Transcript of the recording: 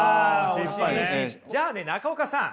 じゃあね中岡さん。